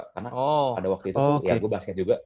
karena pada waktu itu ya gue basket juga